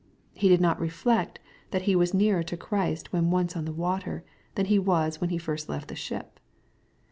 He did not reflect that h was nearer to Christ When once on the water, than he was when he first left the ship.